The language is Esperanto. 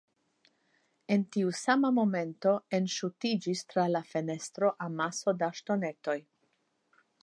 En tiu sama momento, enŝutiĝis tra la fenestro amaso da ŝtonetoj.